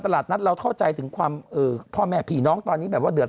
ตลาดนัดเราเข้าใจถึงความพ่อแม่ผีน้องตอนนี้แบบว่าเดือด